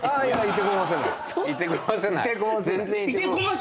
いてこませない！？